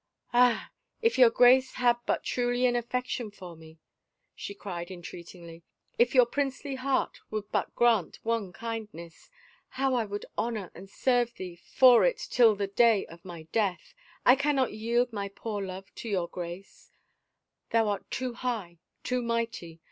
" Ah, if your Grace had but truly an affection for me !" she cried entreatingly. " If your princely heart would but grant one kindness ... how I would honor and serve thee for it till the day of my death I I can not yield my poor love to your Grace — thou art too high, too mighty.